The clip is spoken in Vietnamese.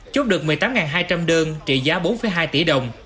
chốt được một mươi tám hai trăm linh đơn trị giá bốn hai tỷ đồng